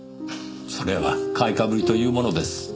それは買いかぶりというものです。